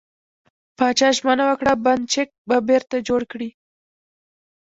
پاچا ژمنه وکړه، بند چک به بېرته جوړ کړي .